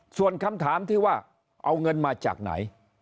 ส่วนคำถามที่ว่าเอาเงินมาจากไหน